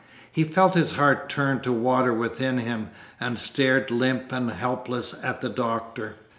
He felt his heart turn to water within him, and stared limp and helpless at the Doctor.